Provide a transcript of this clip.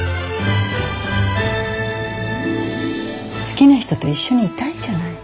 好きな人と一緒にいたいじゃない。